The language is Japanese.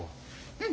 うん。